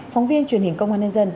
phóng viên truyền hình công an nhân dân